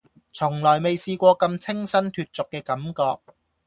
從來未試過咁清新脫俗嘅感覺